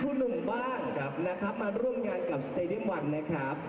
หนุ่มบ้างนะครับมาร่วมงานกับสเตดียมวันนะครับ